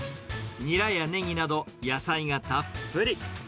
ニラやネギなど、野菜がたっぷり。